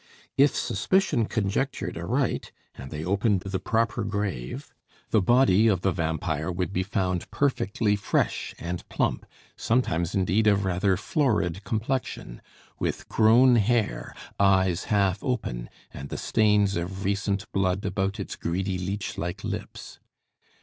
If suspicion conjectured aright, and they opened the proper grave, the body of the vampire would be found perfectly fresh and plump, sometimes indeed of rather florid complexion; with grown hair, eyes half open, and the stains of recent blood about its greedy, leech like lips.